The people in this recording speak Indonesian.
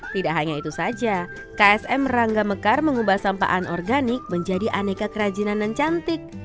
tidak hanya itu saja ksm rangga mekar mengubah sampah anorganik menjadi aneka kerajinan dan cantik